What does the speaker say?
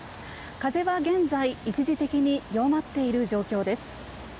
風は現在一時的に弱まっている状況です。